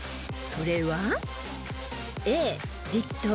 ［それは］